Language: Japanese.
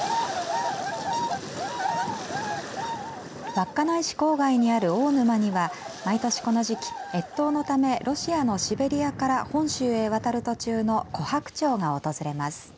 稚内市郊外にある大沼には毎年この時期越冬のためロシアのシベリアから本州へ渡る途中のコハクチョウが訪れます。